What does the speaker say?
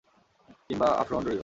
কিংবা আফ্রো-হন্ডুরীয়।